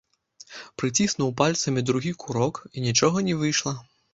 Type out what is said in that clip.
Прыціснуў пальцамі другі курок, і нічога не выйшла.